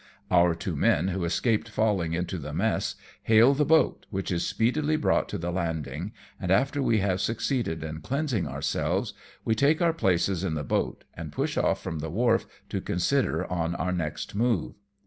Our two men who escaped falling into the mess, hail the boat, which is speedily brought to the landing, and after we have succeeded in cleansing ourselves, we take our places in the boat and push off from the wharf to consider on our next move.